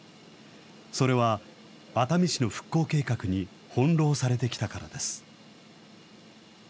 それは、熱海市の復興計画に翻弄されてきたからです。